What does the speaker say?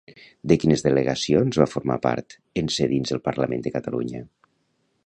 De quines delegacions va formar part, en ser dins el Parlament de Catalunya?